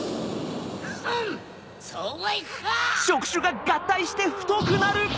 フンっそうはいくか！